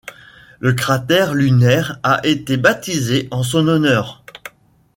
Le cratère lunaire a été baptisé en son honneur.